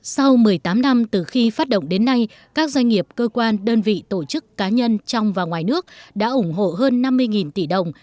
sau một mươi tám năm từ khi phát động đến nay các doanh nghiệp cơ quan đơn vị tổ chức cá nhân trong và ngoài nước đã ủng hộ hơn năm mươi tỷ đồng